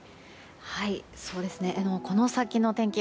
この先の天気